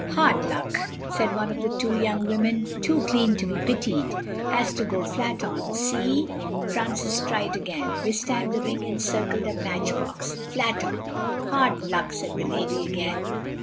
"Hard luck," said one of the two young women, too clean to be pitied. "Has to go flat on—see?" Francis tried again. This time the ring encircled a matchbox, "flat on." "Hard luck," said the lady again.